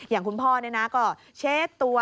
อย่างคุณพ่อเนี่ยนะก็เช็ดตัว